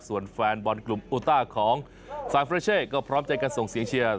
ส่วนแฟนบอลกลุ่มอูต้าของซานเฟรเช่ก็พร้อมใจกันส่งเสียงเชียร์